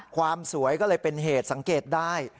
ความสวยก็เลยเป็นเหตุสังเกตได้